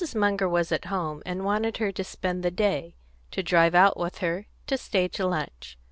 Munger was at home, and wanted her to spend the day, to drive out with her, to stay to lunch.